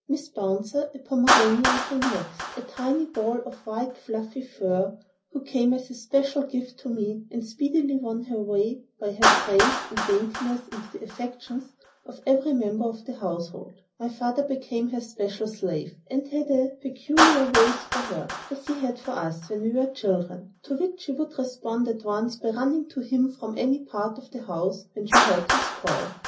"Mrs. Bouncer," a Pomeranian, came next, a tiny ball of white fluffy fur, who came as a special gift to me, and speedily won her way by her grace and daintiness into the affections of every member of the household. My father became her special slave, and had a peculiar voice for her—as he had for us, when we were children—to which she would respond at once by running to him from any part of the house when she heard his call.